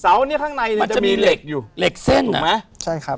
เนี้ยข้างในเนี่ยมันจะมีเหล็กอยู่เหล็กเส้นถูกไหมใช่ครับ